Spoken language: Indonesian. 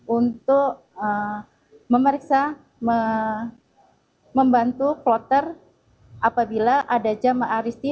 untuk memeriksa membantu kloter apabila ada jamaah aristi